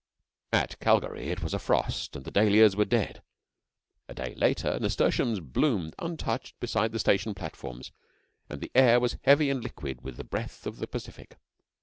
At Calgary it was a frost, and the dahlias were dead. A day later nasturtiums bloomed untouched beside the station platforms, and the air was heavy and liquid with the breath of the Pacific.